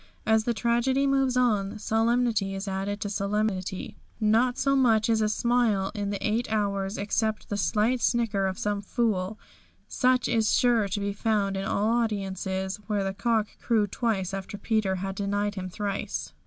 As the tragedy moves on, solemnity is added to solemnity. Not so much as a smile in the eight hours, except the slight snicker of some fool, such as is sure to be found in all audiences, when the cock crew twice after Peter had denied him thrice.